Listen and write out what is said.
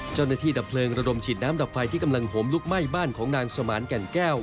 เจ้าหน้าที่ดับเพลิงระดมฉีดน้ำดับไฟที่กำลังหมลุกไหม้บ้านของนางสวรรค์แก่งแก้ว